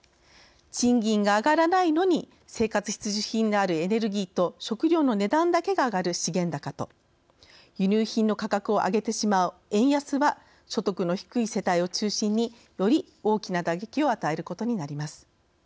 賃金が上がらないのに生活必需品であるエネルギーと食料の値段だけが上がる資源高と輸入品の価格を上げてしまう円安は、所得の低い世帯を中心により大きな打撃を与えることになります。